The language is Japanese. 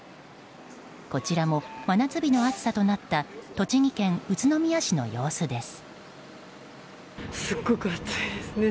こちらも真夏日の暑さとなった栃木県宇都宮市の様子です。